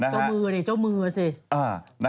เจ้ามือสิ